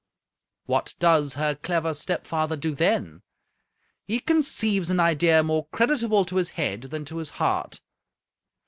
What does her clever stepfather do then ? He conceives an idea more creditable to his head than to his heart.